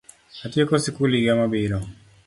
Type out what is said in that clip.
Atieko sikul yiga mabiro